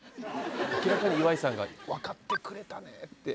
明らかに磐井さんが分かってくれたねって。